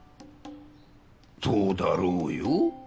そうだろうよ？